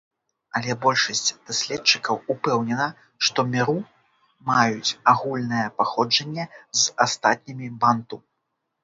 Але большасць даследчыкаў упэўнена, што меру маюць агульнае паходжанне з астатнімі банту.